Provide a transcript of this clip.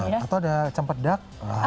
iya bener atau ada campur dak